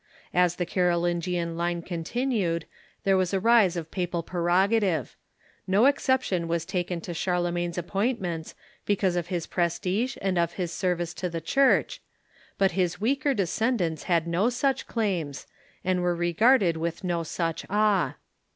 As the Carolingian line con tinued there was a rise of papal prerogative. No exception was taken to Charlemagne's appointments, because of his pres tige and of his service to the Church. But his weaker descend ants had no such claims, and were regarded with no such awe.